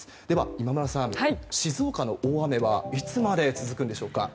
今村さん、静岡の大雨はいつまで続くんでしょうか。